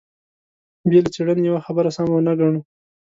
بې له څېړنې يوه خبره سمه ونه ګڼو.